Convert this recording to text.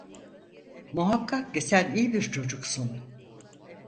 Muhakkak ki sen iyi bir çocuksun!